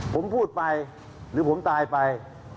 ผมพูดไปหรือผมตายไป